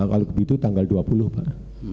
kalau begitu tanggal dua puluh pak